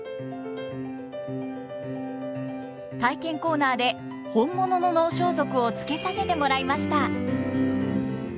体験コーナーで本物の能装束を着けさせてもらいました。